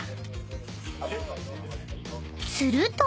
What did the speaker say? ［すると］